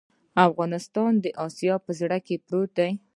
افغانستان د اسیا په زړه کې پروت دی